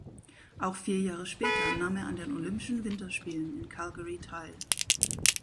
Auch vier Jahre später nahm er an den Olympischen Winterspielen in Calgary teil.